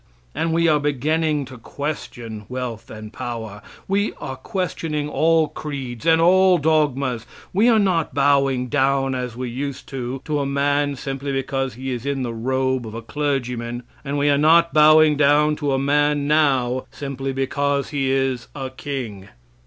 And we are beginning to question wealth and power; we are questioning all creeds and all dogmas; and we are not bowing down, as we used to, to a man simply because he is in the robe of a clergyman, and we are not bowing down to a man now simply because he is a king.